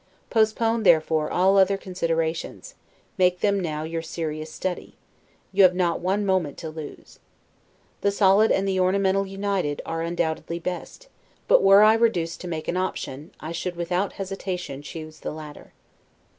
Postpone, therefore, all other considerations; make them now your serious study; you have not one moment to lose. The solid and the ornamental united, are undoubtedly best; but were I reduced to make an option, I should without hesitation choose the latter.